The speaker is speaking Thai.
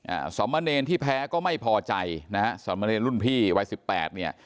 อ่าสมเนรที่แพ้ก็ไม่พอใจนะฮะสมเนรรุ่นพี่วัยสิบแปดเนี่ย